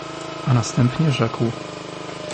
A następnie rzekł.